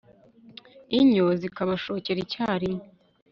inyo zikabashokera icyarimwe